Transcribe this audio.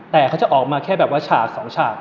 แต่เขาจะออกมาแค่แบบว่าฉาก๒ฉาก